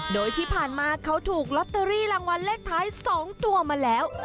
โดยที่ผ่านมาเขาถูกลอตเตอรี่รางวัลเลขท้าย๒ตัวมาแล้ว